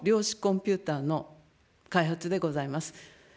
第１に国産の量子コンピューターの開発でございます。